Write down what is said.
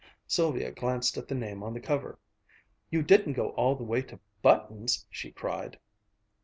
Sylvia glanced at the name on the cover. "You didn't go all the way to Button's!" she cried.